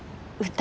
歌？